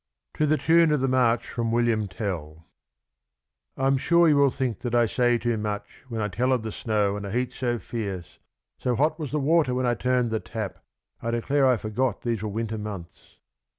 To THK Tune of the March from "Wiiiiam Tell." I am sure you will think that I say too nuu li When I tell of the snow, and a heat so fierce So hot was the water when I turned the tap, I declare I forgot these were winter months.